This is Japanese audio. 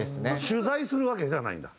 取材するわけじゃないんだ？